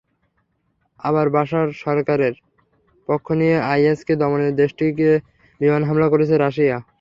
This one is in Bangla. আবার বাসার সরকারের পক্ষ নিয়ে আইএসকে দমনে দেশটিতে বিমান হামলা করছে রাশিয়া।